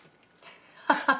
ハハハハ！